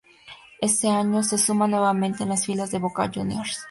Ese año se suma nuevamente a las filas de Boca Juniors.